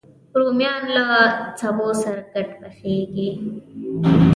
رومیان له سبو سره ګډ پخېږي